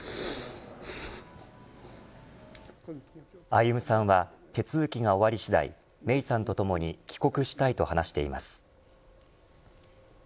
歩さんは手続きが終わり次第芽生さんと共に帰国したいと話しています。